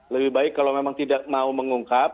lebih baik kalau memang tidak mau mengungkap